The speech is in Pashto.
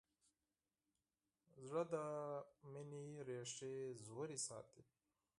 زړه د محبت ریښې ژورې ساتي.